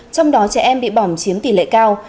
trong đó trẻ em bị bỏng chiếm tỷ lệ cao